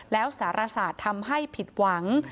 แล้วสารศาสตร์ทำให้ผิดหวัง